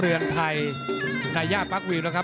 เตือนภัยนาย่าปั๊กวิวนะครับ